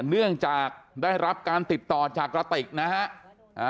เนื่องจากได้รับการติดต่อจากกระติกนะฮะ